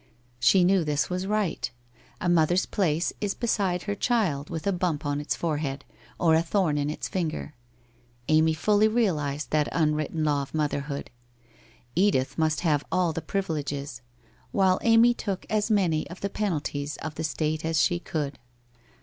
She knew this was right. A mother's place is beside her child with a bump on its forehead, or a thorn in its finger — Amy fully realized that unwritten law of motherhood. Edith must have all the privileges, while Amy took as many of the penalties of the state as she could.